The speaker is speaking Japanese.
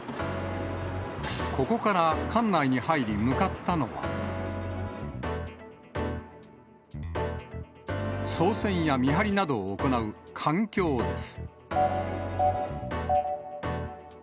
ここから艦内に入り、向かったのは、操船や見張りなどを行う艦橋です。